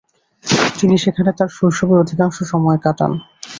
তিনি সেখানে তার শৈশবের অধিকাংশ সময় কাটান।